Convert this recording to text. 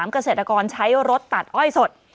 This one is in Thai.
เกษตรกรใช้รถตัดอ้อยสด